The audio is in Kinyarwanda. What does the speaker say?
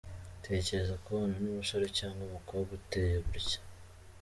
Tekereza kubana n’umusore cyangwa umukobwa uteye gutya.